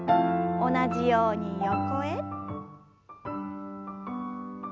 同じように横へ。